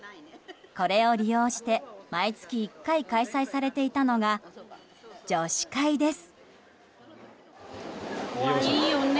これを利用して毎月１回開催されていたのが女子会です。